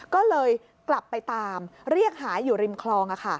ก็เลยกลับไปตามเรียกหาอยู่ริมคลอง